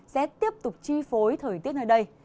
sẽ tiếp tục chi phối thời tiết nơi đây